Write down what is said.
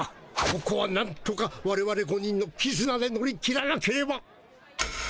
ここはなんとかわれわれ５人のきずなで乗り切らなければ！